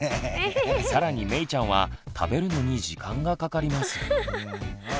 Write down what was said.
更にめいちゃんは食べるのに時間がかかります。